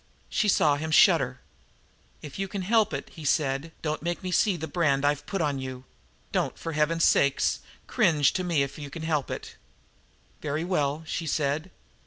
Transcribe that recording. She saw him shudder. "If you can help it," he said, "don't make me see the brand I have put on you. Don't, for Heaven's sake, cringe to me if you can help it." "Very well," she said.